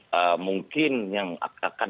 tapi kita harus mencari kesempatan yang bisa kita dukung